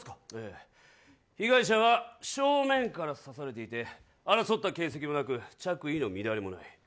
被害者は正面から刺されていて争った形跡もなく着衣の乱れもない。